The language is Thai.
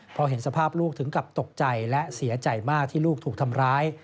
พอเห็นสภาพลูกถึงกับตกใจและเสียใจมากที่ลูกถูกทำร้าย